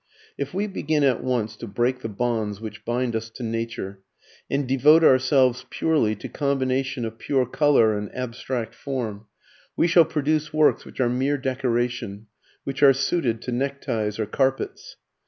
If we begin at once to break the bonds which bind us to nature, and devote ourselves purely to combination of pure colour and abstract form, we shall produce works which are mere decoration, which are suited to neckties or carpets.